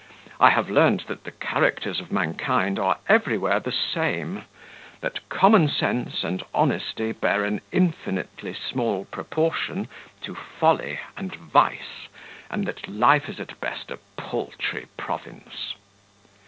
I have learned that the characters of mankind are everywhere the same; that common sense and honesty bear an infinitely small proportion to folly and vice; and that life is at best a paltry province.